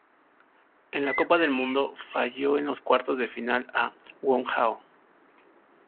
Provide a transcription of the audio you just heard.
En la Copa del Mundo, falló en los cuartos de final a Wang Hao.